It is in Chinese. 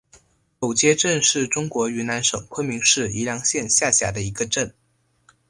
狗街镇是中国云南省昆明市宜良县下辖的一个镇。